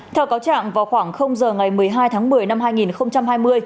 theo cáo trạng vào khoảng giờ ngày một mươi hai tháng một mươi năm hai nghìn hai mươi